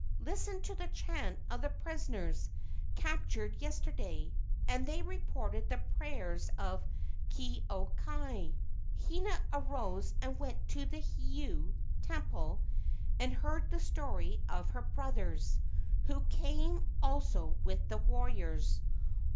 Listen to the chant of the prisoners, captured yesterday." And they reported the prayers of Ke au kai. Hina arose and went to the heiau (temple) and heard the story of her brothers, KE A U NINI 181 who came also with the warriors.